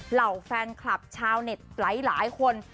เหล่าแฟนคลับชาวเน็ตหลายคน